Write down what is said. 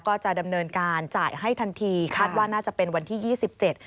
ก็จะดำเนินการจ่ายให้ทันทีคาดว่าน่าจะเป็นวันที่ยี่สิบเจ็ด